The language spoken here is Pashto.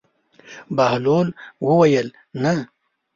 بهلول وویل: نه.